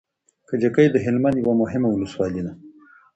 کجکی د هلمند يوه مهمه ولسوالي ده